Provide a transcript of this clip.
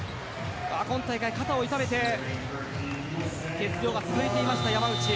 今大会、肩を痛めて欠場が続いていた山内。